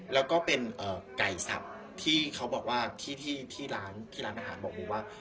แล้วก็เป็นไก่สับที่เขาบอกว่าที่ร้านอาหารบอกบุมว่า